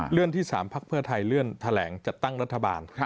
เรื่องที่๓พักเพื่อไทยเลื่อนแถลงจัดตั้งรัฐบาล